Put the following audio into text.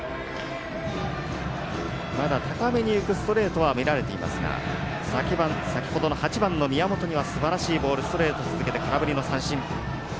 まだ高めに浮くストレートは乱れていますが先ほどの８番の宮本にはすばらしいボール続けて空振りの三振。